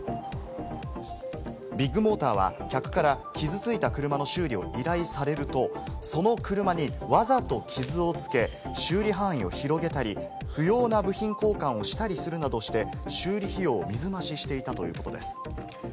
ビッグモーターは客から傷ついた車の修理を依頼されると、その車にわざと傷をつけ、修理範囲を広げたり、不要な部品交換をしたりするなどして、修理費用を水増ししていたということです。